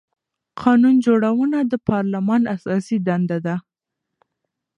قانون جوړونه د پارلمان اساسي دنده ده